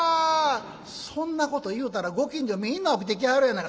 「そんなこと言うたらご近所みんな起きてきはるやないか」。